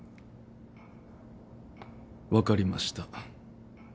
分かりました。